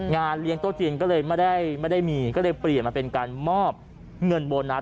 เลี้ยงโต๊ะจีนก็เลยไม่ได้มีก็เลยเปลี่ยนมาเป็นการมอบเงินโบนัส